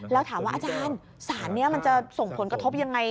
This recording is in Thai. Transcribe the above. แล้วถามว่าอาจารย์สารนี้มันจะส่งผลกระทบยังไง